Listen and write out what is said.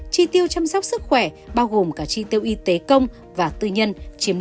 tri tiêu chăm sóc sức khỏe bao gồm cả tri tiêu y tế công và tư nhân chiếm năm chín gdp